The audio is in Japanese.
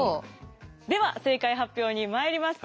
では正解発表にまいります。